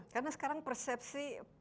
karena sekarang persepsi